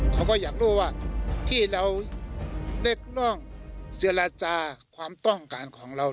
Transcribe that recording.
เขาก็อยากรู้ว่าที่เราเนคน่องเจรจาความต้องการของเรา